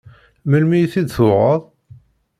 Melmi i t-id-tuɣeḍ?